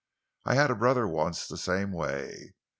"I had a brother once the same way.